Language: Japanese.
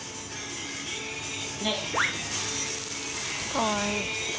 かわいい。